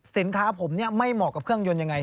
สินค้าผมไม่เหมาะกับเครื่องยนต์ยังไง